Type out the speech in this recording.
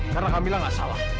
karena kamila gak salah